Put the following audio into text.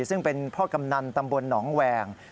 ซึ่งเป็นพ่อกำนันตำบลหนองแหวง